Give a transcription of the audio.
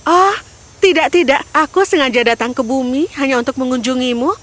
oh tidak tidak aku sengaja datang ke bumi hanya untuk mengunjungimu